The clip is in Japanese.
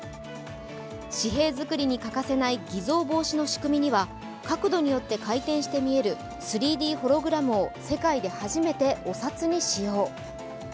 紙幣作りに欠かせない偽造防止の仕組みには角度によって回転して見える３Ｄホログラムを世界で初めてお札に使用。